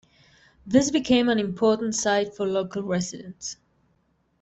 This became an important site for local residents.